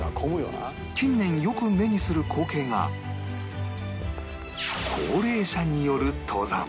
近年よく目にする光景が高齢者による登山